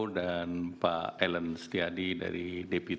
dan pak alan setiadi dari deputi